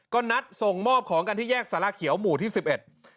ก็นัดส่งมอบของกันที่แยกสาระเขียวหมู่ที่สิบเอ็ด